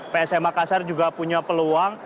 psm makassar juga punya peluang